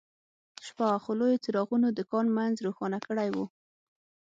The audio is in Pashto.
شپه وه خو لویو څراغونو د کان منځ روښانه کړی و